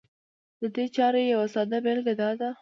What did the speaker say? د دې چارې يوه ساده بېلګه دا ده